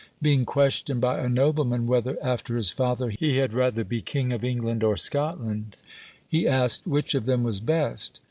Being questioned by a nobleman, whether, after his father, he had rather be king of England or Scotland, he asked, "Which of them was best?"